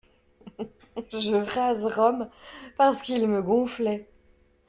Je rase Rome parce qu'ils me gonflaient.